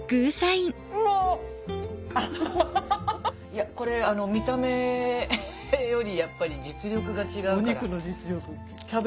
いやこれ見た目よりやっぱり実力が違うから。